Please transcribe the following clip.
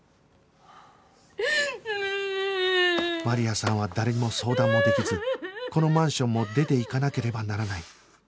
マリアさんは誰にも相談もできずこのマンションも出ていかなければならない